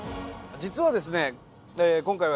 実はですね